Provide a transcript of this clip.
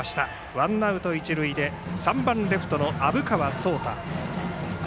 ワンアウト、一塁で３番レフトの虻川颯汰。